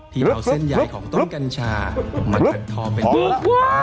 ที่เอาเส้นยายของต้นกัญชามาถัดทอเป็นกลุ่ม